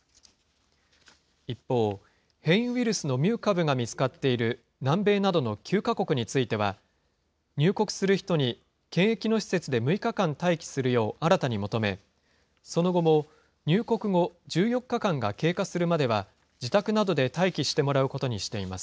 一方、変異ウイルスのミュー株が見つかっている南米などの９か国については、入国する人に検疫の施設で６日間待機するよう新たに求め、その後も入国後１４日間が経過するまでは、自宅などで待機してもらうことにしています。